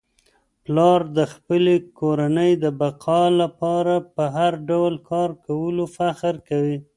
پلار د خپلې کورنی د بقا لپاره په هر ډول کار کولو فخر کوي.